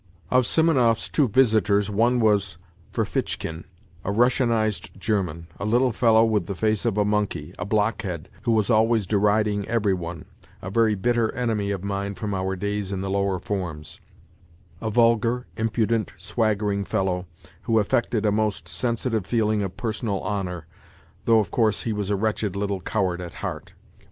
Of Simonov's two visitors, one was Ferfitchkin, a Russianized German a little fellow with the face of a monkey, a blockhead who was always deriding every one, a very bitter enemy of mine from our days in the lower forms a vulgar, impudent, swaggering fellow, who affected a most sensitive feeling of personal honour, though, of course, he was a wretched little coward at heart.